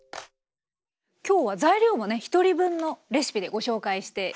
今日は材料もね１人分のレシピでご紹介していきたいと思います。